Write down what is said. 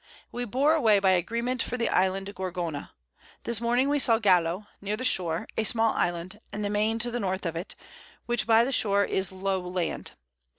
We bore away by Agreement for the Island Gorgona. This Morning we saw Gallo, near the Shore, a small Island, and the Main to the North of it, which by the Shore is low Land.